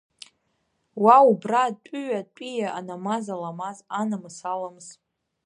Уа убра, атәыҩа атәиа, анамаз аламаз, анамыс аламыс…